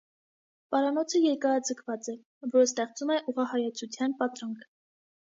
Պարանոցը երկարաձգված է, որը ստեղծում է ուղղահայացության պատրանք։